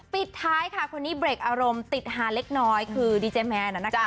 ปิดท้ายค่ะคนนี้เบรกอารมณ์ติดฮาเล็กน้อยคือดีเจแมนนะคะ